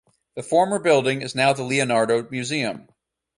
The former building is now The Leonardo museum.